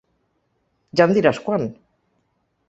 Ja em diràs quan!